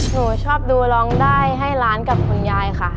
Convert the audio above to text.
หนูชอบดูร้องได้ให้ล้านกับคุณยายค่ะ